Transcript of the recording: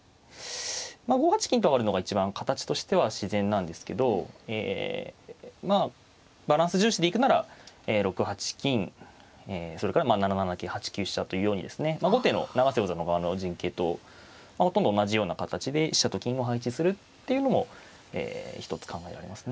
５八金と上がるのが一番形としては自然なんですけどえまあバランス重視でいくなら６八金それから７七桂８九飛車というようにですね後手の永瀬王座の側の陣形とほとんど同じような形で飛車と金を配置するっていうのも一つ考えられますね。